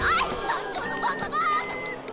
団長のバカバカ！